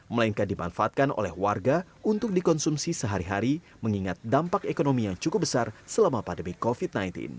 melainkan dimanfaatkan oleh warga untuk dikonsumsi sehari hari mengingat dampak ekonomi yang cukup besar selama pandemi covid sembilan belas